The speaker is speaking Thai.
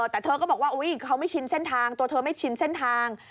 แต่เธอก็บอกว่าเขาไม่ชินเส้นทางตัวเธอไม่ชินเส้นทาง